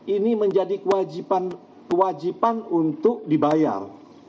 ini menjadi kewajiban untuk dibayar